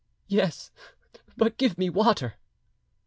"Yes ... but give me water!"